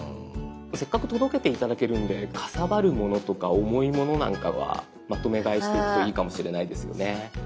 せっかく届けて頂けるのでかさばるものとか重いものなんかはまとめ買いしておくといいかもしれないですよね。